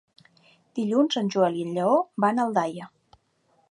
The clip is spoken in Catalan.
Dilluns en Joel i en Lleó van a Aldaia.